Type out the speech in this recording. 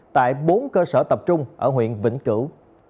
tại bốn cơ sở tập trung ở huyện vĩnh cửu